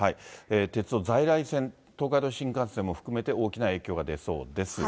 鉄道、在来線、東海道新幹線も含めて大きな影響が出そうです。